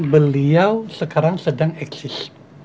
beliau sekarang sedang eksis